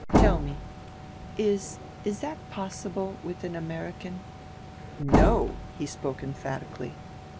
Tell me, is is that possible with an American?" "No!" he spoke emphatically.